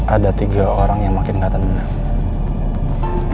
ada tiga orang yang makin gak tenang